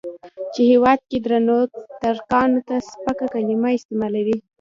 چې هېواد کې درنو ترکانو ته سپکه کليمه استعمالوي.